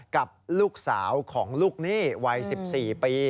กับลูกสาวของลูกหนี้วัย๑๔ปี